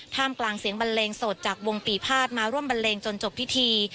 กลางเสียงบันเลงสดจากวงปีภาษมาร่วมบันเลงจนจบพิธี